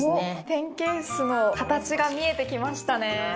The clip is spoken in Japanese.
ペンケースの形が見えてきましたね。